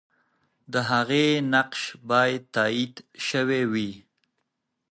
د هغې نقش به تایید سوی وي.